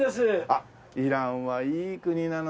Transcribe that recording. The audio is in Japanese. あっイランはいい国なのよね。